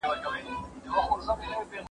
زه به سبا سپينکۍ پرېولم!